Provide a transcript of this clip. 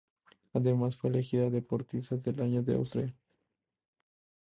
Además fue elegida deportista del año en Austria.